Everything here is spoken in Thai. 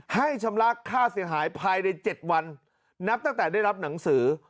ชำระค่าเสียหายภายใน๗วันนับตั้งแต่ได้รับหนังสือ